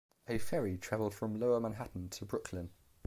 A ferry traveled from Lower Manhattan to Brooklyn.